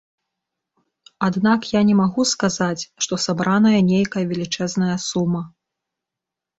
Аднак я не магу сказаць, што сабраная нейкая велічэзная сума.